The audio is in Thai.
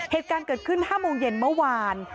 เหตุการณ์เกิดขึ้น๕โมงเย็นเมื่อวาน